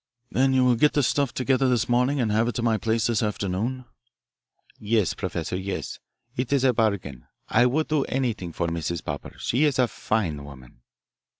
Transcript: "Then you will get the stuff together this morning and have it up to my place this afternoon." "Yes, Professor, yes. It is a bargain. I would do anything for Mrs. Popper she is a fine woman."